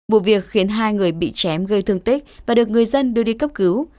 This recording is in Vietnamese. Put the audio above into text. vụ việc khiến hai người bị chém gây thương tích và được người dân đưa đi cấp cứu